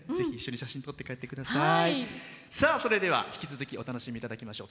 それでは、引き続きお楽しみいただきましょう。